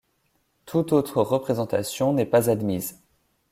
Toute autre représentation n'est pas admise.